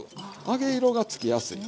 揚げ色がつきやすい。